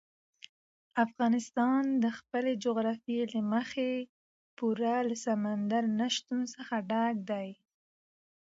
افغانستان د خپلې جغرافیې له مخې پوره له سمندر نه شتون څخه ډک دی.